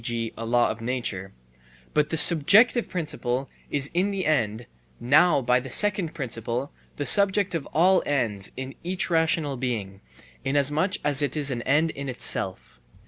g., a law of nature); but the subjective principle is in the end; now by the second principle the subject of all ends is each rational being, inasmuch as it is an end in itself.